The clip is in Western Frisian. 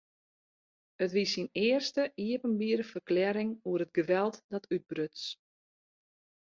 It wie syn earste iepenbiere ferklearring oer it geweld dat útbruts.